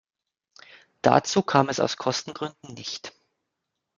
Dazu kam es aus Kostengründen nicht.